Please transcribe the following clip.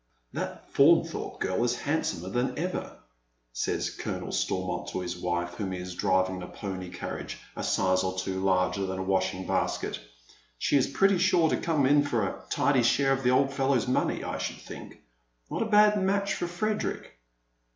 "That Faunthorpe girl is handsomer than ever," says Colonel Stormont to his wife, whom he is driving in a pony carriage a size or two larger than a watliing basket. " She is pretty sure to come in for a tidy share of the old fellow's money, I should think. Not a bad match for»Fredeiick."